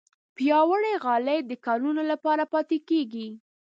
پیاوړې غالۍ د کلونو لپاره پاتې کېږي.